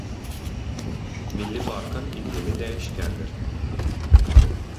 Milli parkın iqlimi dəyişkəndir.